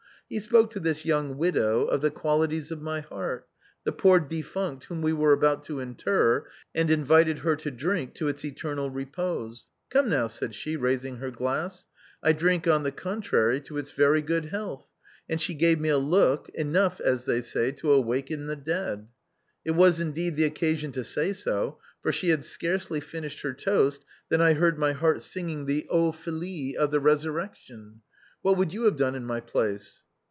He spoke to this young widow of the qualities of my heart, the poor defunct whom we were about to inter, and invited her to drink to its eternal repose. ' Come now,' said she, raising her glass, *' I drink on the contrary to its very good health," and she gave me a look, enough, as they say, to awake the dead. It was indeed the occasion to say so, for she had scarcely finished her toast than I heard my heart singing the Filii MIMI IN FINE FEATHER. 289 of the Eesurrection. What would you have done in my place?"